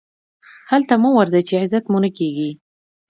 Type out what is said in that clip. هلته مه ورځئ، چي عزت مو نه کېږي.